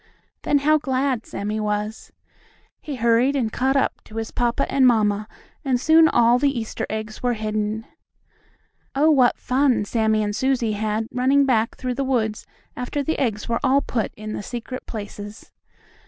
Then how glad Sammie was! He hurried and caught up to his papa and mamma, and soon all the Easter eggs were hidden. Oh, what fun Sammie and Susie had running back through the woods after the eggs were all put in the secret places!